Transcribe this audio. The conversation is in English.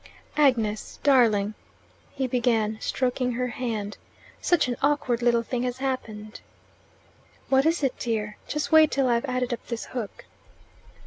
"Agnes, darling," he began, stroking her hand, "such an awkward little thing has happened." "What is it, dear? Just wait till I've added up this hook."